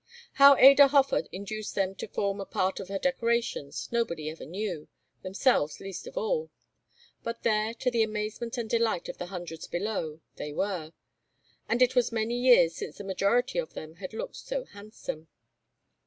How Ada Hofer induced them to form a part of her decorations nobody ever knew, themselves least of all; but there, to the amazement and delight of the hundreds below, they were, and it was many years since the majority of them had looked so handsome.